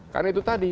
karena itu tadi